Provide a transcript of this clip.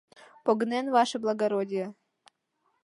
Погынен, ваше благородие.